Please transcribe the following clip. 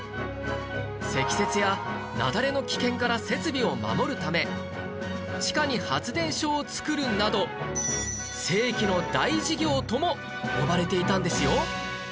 積雪や雪崩の危険から設備を守るため地下に発電所を造るなど世紀の大事業とも呼ばれていたんですよ